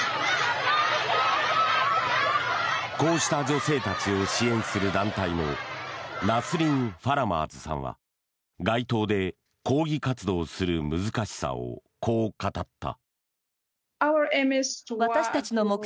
こうした女性たちを支援する団体のナスリン・ファラマーズさんは街頭で抗議活動する難しさをこう語った。